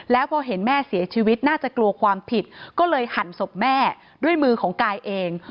แล้วพอเห็นแม่เสียชีวิตน่าจะกลัวความผิดก็เลยหั่นศพแม่ด้วยมือของกายเอง